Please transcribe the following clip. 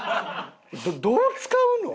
どう使うの？